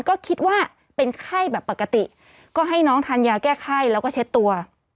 ก็คิดว่าเป็นไข้แบบปกติก็ให้น้องทานยาแก้ไข้แล้วก็เช็ดตัว